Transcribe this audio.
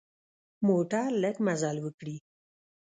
موټر لږ مزل وکړي.